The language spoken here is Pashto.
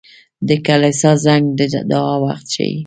• د کلیسا زنګ د دعا وخت ښيي.